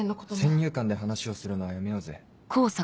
先入観で話をするのはやめようぜ。